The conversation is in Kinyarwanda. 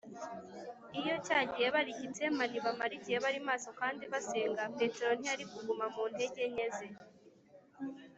iyo cya gihe bari i getsemani bamara igihe bari maso kandi basenga, petero ntiyari kuguma mu ntege nke ze